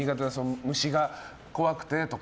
虫が怖くてとか。